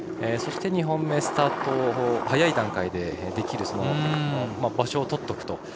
そして２本目、スタート早い段階でできる場所をとっておくと。